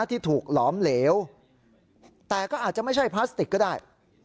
ที่ถูกหลอมเหลวแต่ก็อาจจะไม่ใช่พลาสติกก็ได้